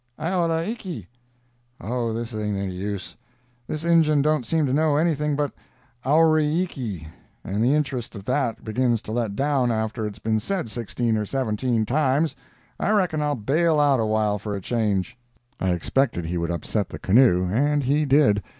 "Aole iki." "Oh, this ain't any use. This Injun don't seem to know anything but 'Owry ikky,' and the interest of that begins to let down after it's been said sixteen or seventeen times. I reckon I'll bail out a while for a change." I expected he would upset the canoe, and he did.